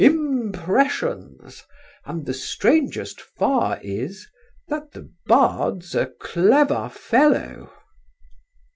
Impressions! and the strangest far Is that the bard's a clever fellow."